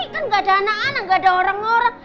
kan nggak ada anak anak gak ada orang orang